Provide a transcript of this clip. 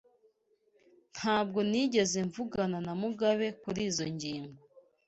Ntabwo nigeze mvugana na Mugabe kurizoi ngingo.